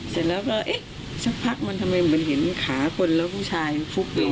เสร็จแล้วก็เอ๊ะสักพักมันทำไมเหมือนเห็นขาคนแล้วผู้ชายฟุกอยู่